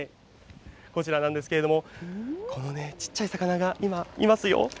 こちらなんですけれども、このね、ちっちゃい魚が今、いますよ。